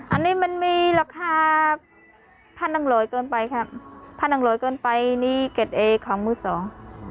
อันนี้มันมีราคาพันธุ์อังโหลยเกินไปครับพันธุ์อังโหลยเกินไปนี่เกร็ดเอของมือสอง